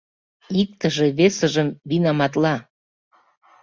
Иктыже весыжым винаматла...